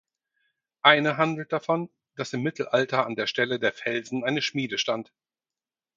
Eine handelt davon, dass im Mittelalter an der Stelle der Felsen eine Schmiede stand.